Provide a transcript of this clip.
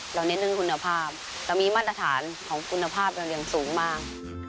เราเน้นในคุณภาพเรามีมาตรฐานของคุณภาพอย่างสูงมาก